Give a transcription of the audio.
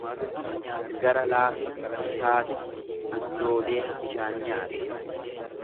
Gara laafina isaatif andoodee bishaan nyaate.